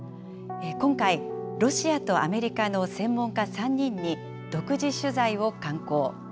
今回、ロシアとアメリカの専門家３人に、独自取材を敢行。